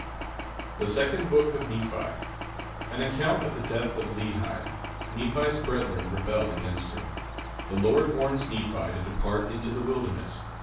THE SECOND BOOK OF NEPHI An account of the death of Lehi. Nephi's brethren rebel against him. The Lord warns Nephi to depart into the wilderness.